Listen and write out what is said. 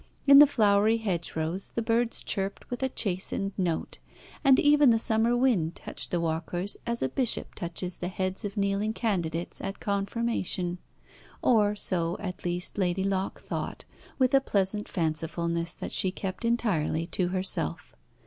In the flowery hedgerows the birds chirped with a chastened note; and even the summer wind touched the walkers as a bishop touches the heads of kneeling candidates at Confirmation. Or so, at least, Lady Locke thought with a pleasant fancifulness that she kept entirely to herself.